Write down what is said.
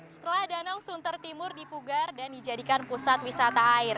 setelah danau sunter timur dipugar dan dijadikan pusat wisata air